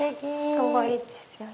かわいいですよね。